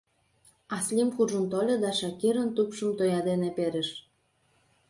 Аслим куржын тольо да Шакирын тупшым тоя дене перыш.